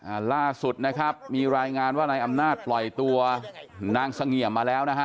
อ่าล่าสุดนะครับมีรายงานว่านายอำนาจปล่อยตัวนางเสงี่ยมมาแล้วนะฮะ